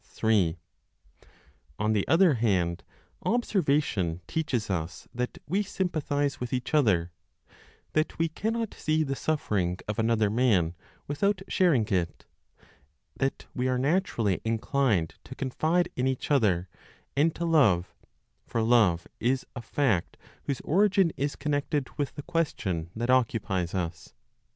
3. On the other hand, observation teaches us that we sympathize with each other, that we cannot see the suffering of another man without sharing it, that we are naturally inclined to confide in each other, and to love; for love is a fact whose origin is connected with the question that occupies us.